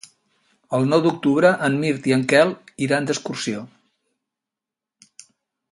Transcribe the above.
El nou d'octubre en Mirt i en Quel iran d'excursió.